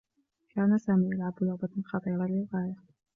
كان سامي يلعب لعبة خطيرة للغاية.